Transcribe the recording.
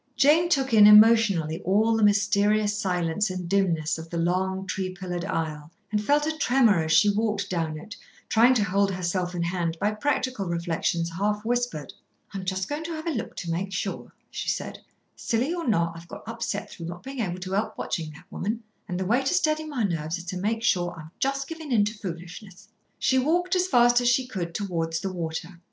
Jane took in emotionally all the mysterious silence and dimness of the long tree pillared aisle, and felt a tremor as she walked down it, trying to hold herself in hand by practical reflections half whispered. "I'm just going to have a look, to make sure," she said, "silly or not. I've got upset through not being able to help watching that woman, and the way to steady my nerves is to make sure I'm just giving in to foolishness." She walked as fast as she could towards the water.